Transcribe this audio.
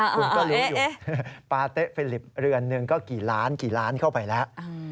คุณก็รู้อยู่ปาเต๊ะฟิลิปเรือนหนึ่งก็กี่ล้านกี่ล้านเข้าไปแล้ว